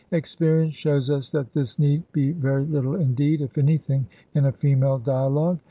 Experience shows us that this need be very little indeed, if anything, in a female dialogue.